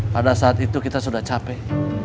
pada saat itu kita sudah capek